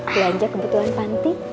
belanja kebutuhan panti